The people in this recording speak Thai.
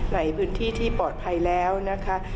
ในพื้นที่ที่ปลอดภัยแล้วนะคะ